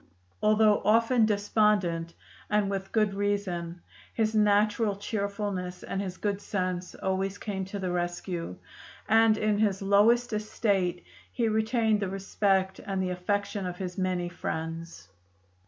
Although often despondent, and with good reason, his natural cheerfulness and his good sense always came to the rescue, and in his lowest estate he retained the respect and the affection of his many friends.